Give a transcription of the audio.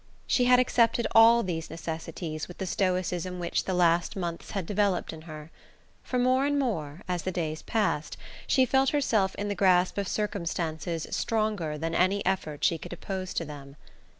She had accepted all these necessities with the stoicism which the last months had developed in her; for more and more, as the days passed, she felt herself in the grasp of circumstances stronger than any effort she could oppose to them.